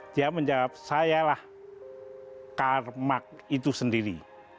dia menjawab sayalah karmak itu sendiri